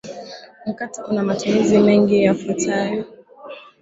Mkato una matumizi mengine yafuatayo